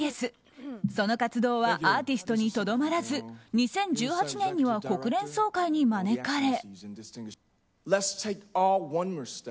その活動はアーティストにとどまらず２０１８年には国連総会に招かれ。